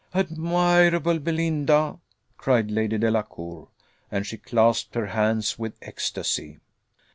Admirable Belinda!" cried Lady Delacour, and she clasped her hands with ecstasy.